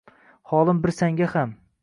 Holim bir senga ham —